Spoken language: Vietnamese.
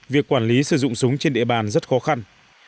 việc quản lý sử dụng súng trên địa bàn rất khó khăn